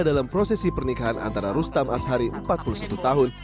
dalam prosesi pernikahan antara rustam ashari empat puluh satu tahun